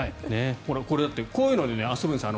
これ、だってこういうので遊ぶんですよ。